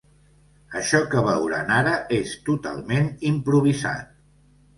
Això que veuran ara és totalment improvisat.